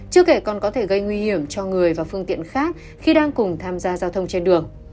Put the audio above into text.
chưa kể còn có thể gây nguy hiểm cho người và phương tiện khác khi đang cùng tham gia giao thông trên đường